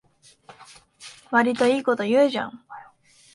わりといいこと言うじゃん